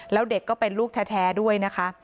แล้วเด็กก็เป็นลูกแท้ด้วยนะคะ